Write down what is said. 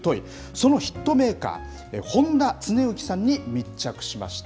そのヒットメーカー、誉田恒之さんに密着しました。